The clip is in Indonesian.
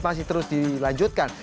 masih terus dilanjutkan